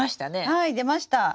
はい出ました。